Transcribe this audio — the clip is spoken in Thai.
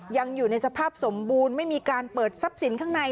ยังอยู่ในสภาพสมบูรณ์ไม่มีการเปิดทรัพย์สินข้างใน